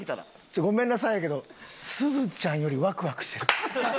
ちょっとごめんなさいやけどすずちゃんよりワクワクしてる。